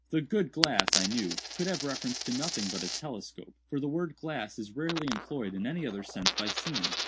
"The 'good glass,' I knew, could have reference to nothing but a telescope; for the word 'glass' is rarely employed in any other sense by seamen.